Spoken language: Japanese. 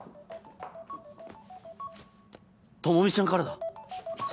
朋美ちゃんからだ。